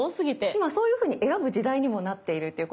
今そういうふうに選ぶ時代にもなっているっていうことですよね。